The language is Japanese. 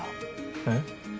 えっ？